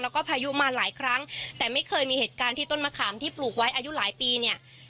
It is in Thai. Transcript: แล้วก็พายุมาหลายครั้งแต่ไม่เคยมีเหตุการณ์ที่ต้นมะขามที่ปลูกไว้อายุหลายปีเนี่ย